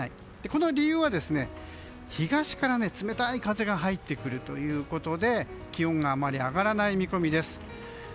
この理由は、東から冷たい風が入ってくるということで気温があまり上がらない見込みです。